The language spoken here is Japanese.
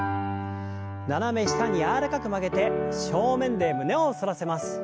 斜め下に柔らかく曲げて正面で胸を反らせます。